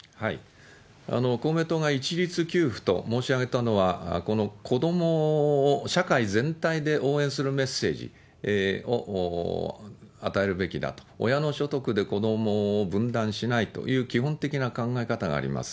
公明党が一律給付と申し上げたのは、この子どもを社会全体で応援するメッセージを与えるべきだと、親の所得で子どもを分断しないという基本的な考え方があります。